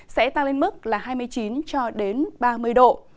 sẽ tăng lên mức hai mươi chín ba mươi độ